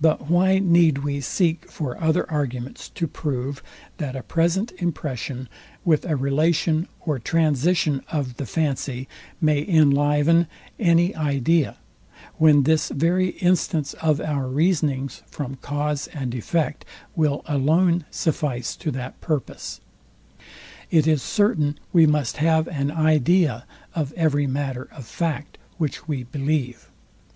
But why need we seek for other arguments to prove, that a present impression with a relation or transition of the fancy may inliven any idea, when this very instance of our reasonings from cause and effect will alone suffice to that purpose? It is certain we must have an idea of every matter of fact, which we believe.